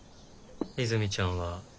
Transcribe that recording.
泉ちゃんは？